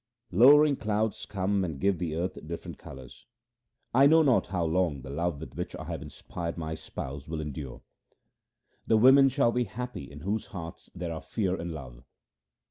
Lowering clouds come and give the earth different colours. I know not how long the love with which I have inspired my spouse will endure. The women shall be happy in whose hearts there are fear and love.